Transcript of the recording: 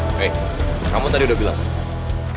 oke kamu tadi udah bilang